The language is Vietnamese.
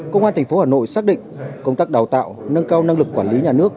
công an tp hà nội xác định công tác đào tạo nâng cao năng lực quản lý nhà nước